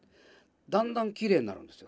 だんだんきれいになるんですよ